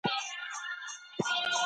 تر سبا به ټوله درسي لړۍ بشپړه سوې وي.